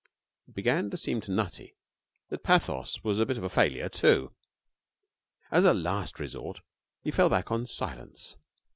It began to seem to Nutty that pathos was a bit of a failure too. As a last resort he fell back on silence.